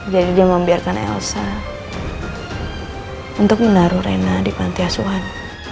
jadi dia membiarkan elsa untuk menaruh rena di pantai asuhan